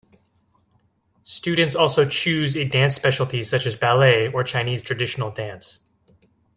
Students also choose a dance specialty such as ballet or Chinese traditional dance.